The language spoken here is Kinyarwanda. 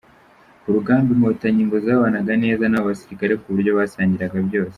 Ku rugamba, Inkotanyi ngo zabanaga neza n’abo basirikare ku buryo basangiraga byose.